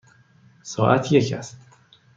ساعت یک است.